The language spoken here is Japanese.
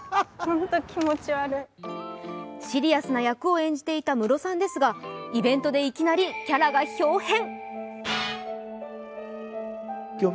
シリアスな役を演じていたムロさんですがイベントで、いきなりキャラがひょう変。